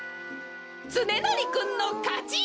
つねなりくんのかち！